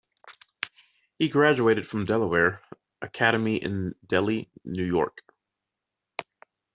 He graduated from Delaware Academy in Delhi, New York.